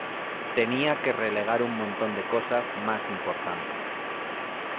Tenía que relegar un montón de cosas más importantes.